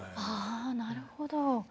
ああなるほど。